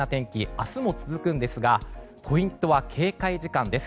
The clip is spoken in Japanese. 明日も続くんですがポイントは警戒時間です。